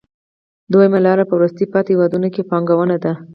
دویمه لار په وروسته پاتې هېوادونو کې پانګونه ده